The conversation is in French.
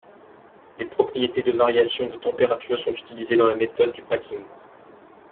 Les propriétés de variations de température sont utilisées dans la méthode du packing.